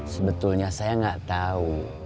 sebetulnya saya gak tahu